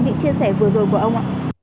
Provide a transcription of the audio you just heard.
những chia sẻ vừa rồi của ông